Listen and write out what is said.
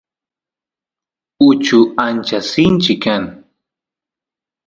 uchu ancha sinchi kan